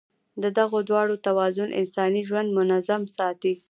د دغو دواړو توازن انساني ژوند منظم ساتي.